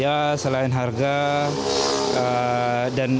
ya selain harga dan secara desain juga